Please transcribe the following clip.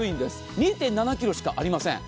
２．７ｋｇしかありません。